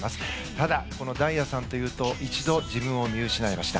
ただ、この大也さんというと一度、自分を見失いました。